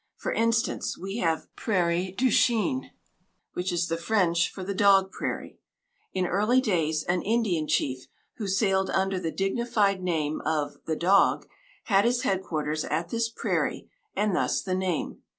For instance, we have Prairie du Chien, which is the French for the Dog prairie. In early days an Indian chief, who sailed under the dignified name of "The Dog," had his headquarters at this prairie, and thus the name.